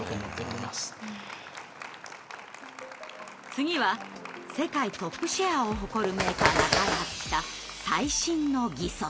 次は世界トップシェアを誇るメーカーが開発した最新の義足。